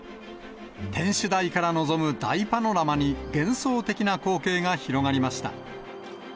天守台から望む大パノラマに、幻想的な光景が広がりました。